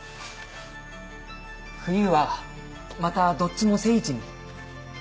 冬はまたどっちも正位置に。